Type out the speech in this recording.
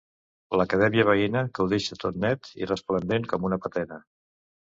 L'acadèmia veïna que ho deixa tot net i resplendent com una patena.